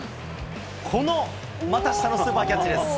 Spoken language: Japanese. この股下のスーパーキャッチです。